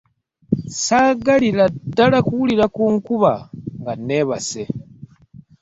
Saagalira ddala kuwulira ku nkuba nga neebasse.